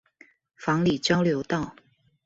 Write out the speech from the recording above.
房裡交流道